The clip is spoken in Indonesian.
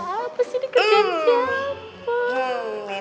apa sih ini kerjaan siapa